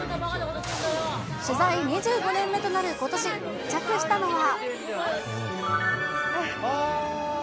取材２５年目となることし密着したのは。